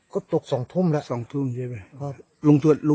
ก็ตกสองทุ่มแล้ว